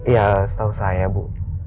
ya setahu saya bu